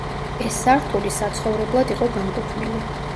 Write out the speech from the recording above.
ეს სართული საცხოვრებლად იყო განკუთვნილი.